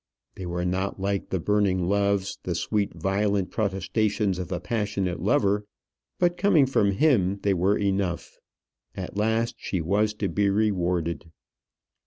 They were not like the burning words, the sweet violent protestations of a passionate lover. But coming from him, they were enough. At last she was to be rewarded.